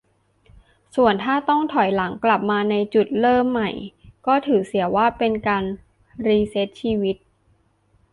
ส่วนถ้าต้องถอยหลังกลับมาในจุดเริ่มใหม่ก็ถือเสียว่าเป็นการรีเซตชีวิต